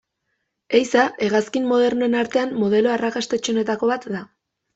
Ehiza-hegazkin modernoen artean modelo arrakastatsuenetako bat da.